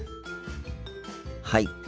はい。